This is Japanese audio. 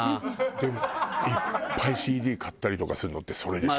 でもいっぱいＣＤ買ったりとかするのってそれでしょ？